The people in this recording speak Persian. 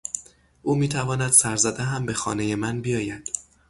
او میتواند سرزده هم به خانهی من بیاید.